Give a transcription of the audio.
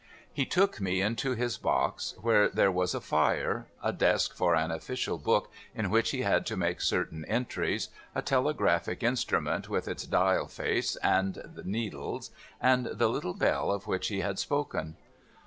He took me into his box, where there was a fire, a desk for an official book in which he had to make certain entries, a telegraphic instrument with its dial, face, and needles, and the little bell of which he had spoken.